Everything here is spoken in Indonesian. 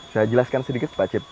saya jelaskan sedikit pak cip